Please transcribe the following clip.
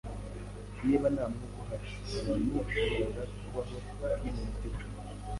Niba nta mwuka uhari, abantu ntibashoboraga kubaho niminota icumi.